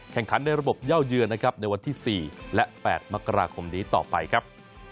ในระบบเย่าเยือนนะครับในวันที่๔และ๘มกราคมนี้ต่อไปครับ